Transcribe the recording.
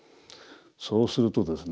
そうするとですね